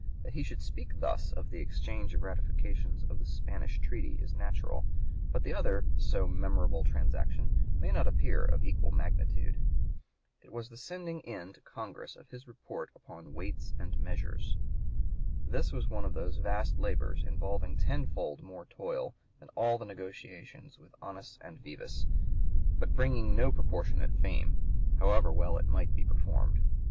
That he should speak thus (p. 126) of the exchange of ratifications of the Spanish treaty is natural; but the other so "memorable transaction" may not appear of equal magnitude. It was the sending in to Congress of his report upon weights and measures. This was one of those vast labors, involving tenfold more toil than all the negotiations with Onis and Vivês, but bringing no proportionate fame, however well it might be performed.